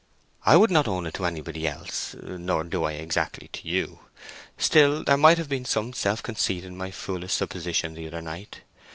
"I would not own it to anybody else—nor do I exactly to you. Still, there might have been some self conceit in my foolish supposition the other night.